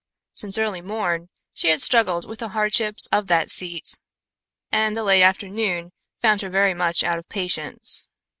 Since early morn she had struggled with the hardships of that seat, and the late afternoon found her very much out of patience.